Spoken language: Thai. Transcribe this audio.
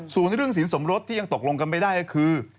ส่วนเรื่องสินสมรสที่ยังตกลงกันไม่ได้ก็คือ